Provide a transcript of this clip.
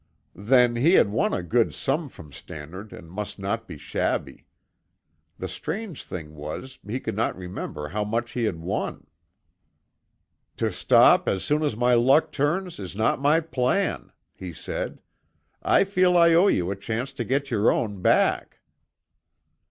Then he had won a good sum from Stannard and must not be shabby. The strange thing was he could not remember how much he had won. "To stop as soon as my luck turns is not my plan," he said. "I feel I owe you a chance to get your own back."